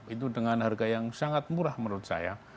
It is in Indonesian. itu dengan harga yang sangat murah menurut saya